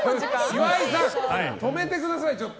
岩井さん、止めてください。